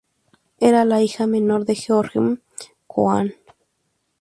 Era la hija menor de George M. Cohan.